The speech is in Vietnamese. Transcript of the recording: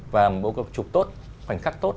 và một cái chụp tốt khoảnh khắc tốt